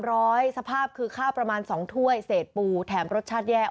สภาพคือข้าวประมาณสองถ้วยเศษปูแถมรสชาติแย่